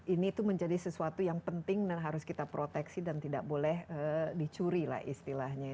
ini itu menjadi sesuatu yang penting dan harus kita proteksi dan tidak boleh dicuri lah istilahnya